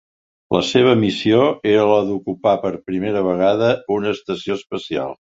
La seva missió era la d'ocupar per primera vegada una estació espacial.